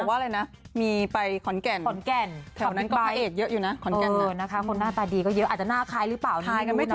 แช่แหลกแยกดีกว่า